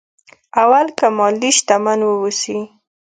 اول کې مالي شتمن واوسي.